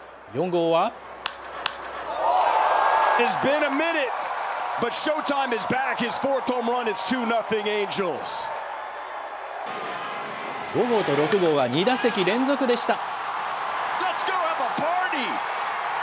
５号と６号は、２打席連続でした。